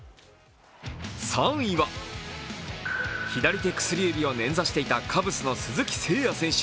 ３位は、左手薬指を捻挫していたカブスの鈴木誠也選手。